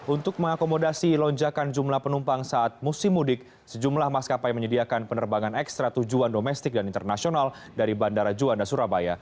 untuk mengakomodasi lonjakan jumlah penumpang saat musim mudik sejumlah maskapai menyediakan penerbangan ekstra tujuan domestik dan internasional dari bandara juanda surabaya